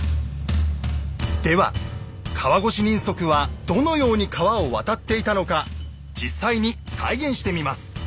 では川越人足はどのように川を渡っていたのか実際に再現してみます。